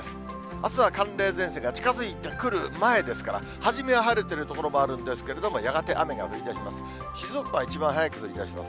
あすは寒冷前線が近づいてくる前ですから、初めは晴れてる所もあるんですけれども、やがて雨が降りだします。